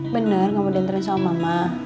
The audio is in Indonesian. bener nggak mau diterin sama mama